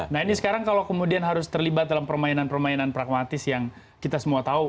nah ini sekarang kalau kemudian harus terlibat dalam permainan permainan pragmatis yang kita semua tahu